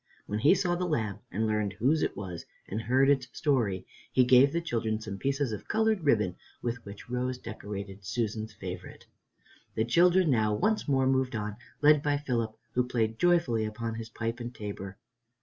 When he saw the lamb, and learned whose it was and heard its story, he gave the children some pieces of colored ribbon, with which Rose decorated Susan's favorite. The children now once more moved on, led by Philip, who played joyfully upon his pipe and tabor.